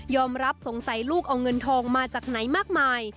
รับสงสัยลูกเอาเงินทองมาจากไหนมากมาย